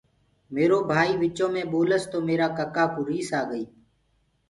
ميرو ڀآئيٚ وچو مي ٻولس تو ميرآ ڪَڪآ ڪوُ ريس آگي۔